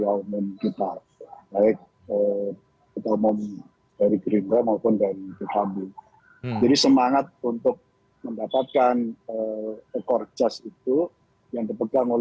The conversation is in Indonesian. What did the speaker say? dan memiliki keinginan untuk menduetkan dari sesama internal